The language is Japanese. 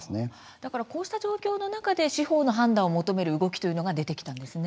だからこうした状況の中で司法の判断を求める動きというのが出てきたんですね。